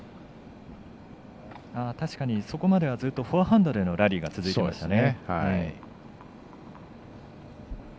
確かにそこまではずっとフォアハンドでのラリーが続いていましたね。